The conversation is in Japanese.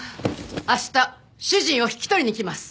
明日主人を引き取りに来ます。